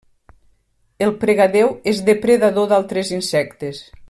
El pregadéu és depredador d'altres insectes.